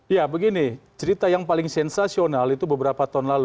ya begini cerita yang paling sensasional itu beberapa tahun lalu